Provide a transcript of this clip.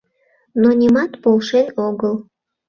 Но нимат полшен огыл.